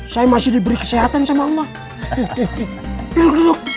saya masih diberi kesehatan sama allah